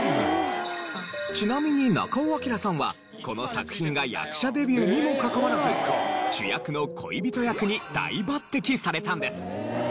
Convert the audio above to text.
ちなみに中尾彬さんはこの作品が役者デビューにもかかわらず主役の恋人役に大抜擢されたんです。